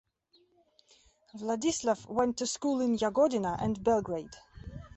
Vladislav went to school in Jagodina and Belgrade.